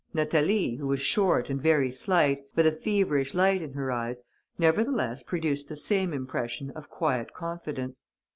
Natalie, who was short and very slight, with a feverish light in her eyes, nevertheless produced the same impression of quiet confidence.